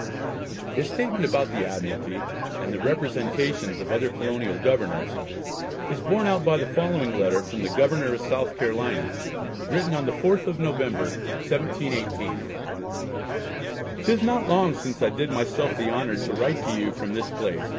His statement about the Admiralty, and the representations of other colonial governors, is borne out by the following letter from the Governor of South Carolina, written on the 4th of November, 1718: "'Tis not long since I did myself the honour to write to you from this place (S.